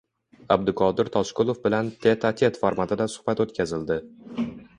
Abduqodir Toshqulov bilan “tet-a-tet” formatida suhbat oʻtkazildi.